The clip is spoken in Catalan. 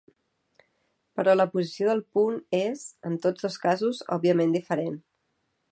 Però la posició del punt és, en tots dos casos, òbviament diferent.